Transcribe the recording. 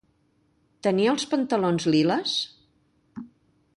Tenia els pantalons liles?